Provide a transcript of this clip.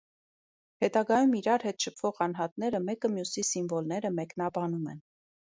Հետագայում իրար հետ շփվող անհատները մեկը մյուսի սիմվոլները մեկնաբանում են։